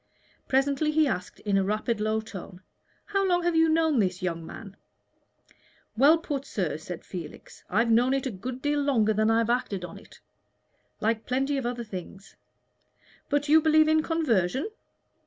Presently he asked, in a rapid, low tone, "How long have you known this, young man?" "Well put, sir," said Felix. "I've known it a good deal longer than I have acted upon it, like plenty of other things. But you believe in conversion?"